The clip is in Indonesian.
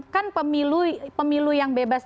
kan pemilu yang bebas